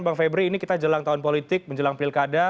bang febri ini kita jelang tahun politik menjelang pilkada